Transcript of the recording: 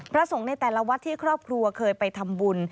สงฆ์ในแต่ละวัดที่ครอบครัวเคยไปทำบุญ